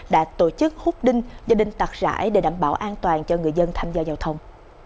đã tổ chức hút đinh gia đình tạc rãi để đảm bảo an toàn cho người dân tham gia giao thông